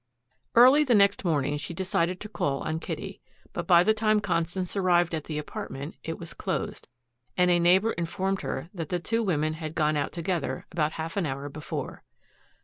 Early the next morning she decided to call on Kitty, but by the time Constance arrived at the apartment it was closed, and a neighbor informed her that the two women had gone out together about half an hour before.